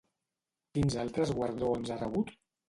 Quins altres guardons ha rebut?